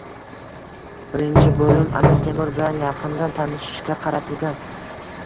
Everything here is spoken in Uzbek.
Birinchi bo‘lim Amir Temur bilan yaqindan tanishishga qaratilgan